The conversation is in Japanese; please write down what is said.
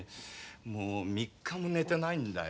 もう３日も寝てないんだよ。